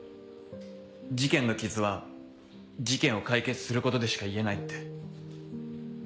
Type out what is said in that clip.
事件の傷は事件を解決することでしか癒えないって。